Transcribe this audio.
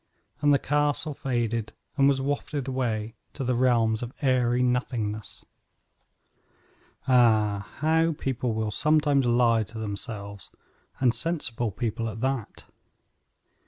And the castle faded and was wafted away to the realms of airy nothingness. Ah! how people will sometimes lie to themselves; and sensible people at that.